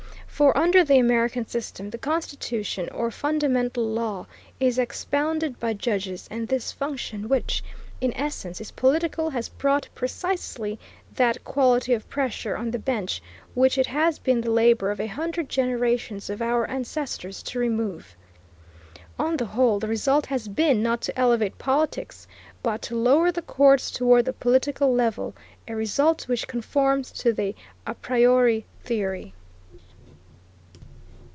For, under the American system, the Constitution, or fundamental law, is expounded by judges, and this function, which, in essence, is political, has brought precisely that quality of pressure on the bench which it has been the labor of a hundred generations of our ancestors to remove. On the whole the result has been not to elevate politics, but to lower the courts toward the political level, a result which conforms to the a priori theory.